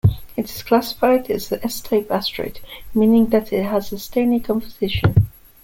It is classified as an S-type asteroid, meaning that it has a stony composition.